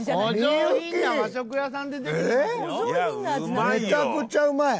めちゃくちゃうまい！